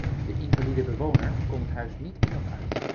De invalide bewoner kon het huis niet in of uit.